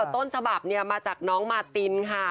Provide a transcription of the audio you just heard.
ต้นฉบับเนี่ยมาจากน้องมาตินค่ะ